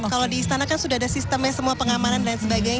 kalau di istana kan sudah ada sistemnya semua pengamanan dan sebagainya